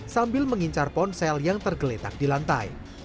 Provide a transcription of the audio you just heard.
sambil mengincar ponsel yang tergeletak di lantai